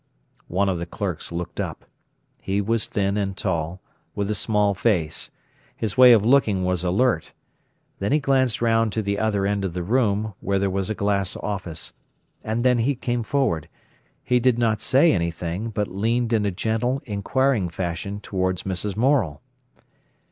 One of the clerks looked up. He was thin and tall, with a small face. His way of looking was alert. Then he glanced round to the other end of the room, where was a glass office. And then he came forward. He did not say anything, but leaned in a gentle, inquiring fashion towards Mrs. Morel.